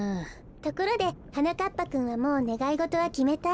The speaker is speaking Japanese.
ところではなかっぱくんはもうねがいごとはきめた？